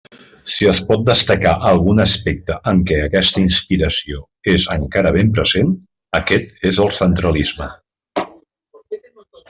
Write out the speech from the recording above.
Si es pot destacar algun aspecte en què aquesta inspiració és encara ben present, aquest és el centralisme.